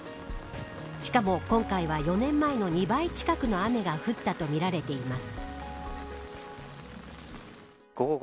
しかも今回は４年前の２倍近くの雨が降ったとみられています。